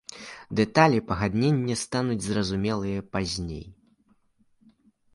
Дэталі пагаднення стануць зразумелыя пазней.